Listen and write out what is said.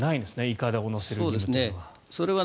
いかだを載せるというのは。